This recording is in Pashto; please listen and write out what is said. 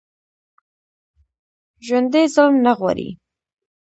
ژوندي ظلم نه غواړي